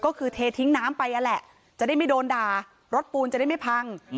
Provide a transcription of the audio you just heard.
ก็คือเททิ้งน้ำไปนั่นแหละจะได้ไม่โดนด่ารถปูนจะได้ไม่พัง